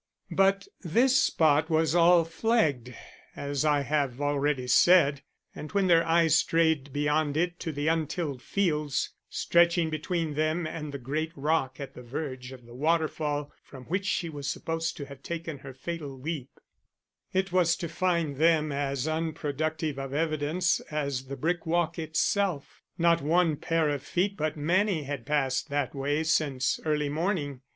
But this spot was all flagged, as I have already said, and when their eyes strayed beyond it to the untilled fields, stretching between them and the great rock at the verge of the waterfall from which she was supposed to have taken her fatal leap, it was to find them as unproductive of evidence as the brick walk itself. Not one pair of feet but many had passed that way since early morning.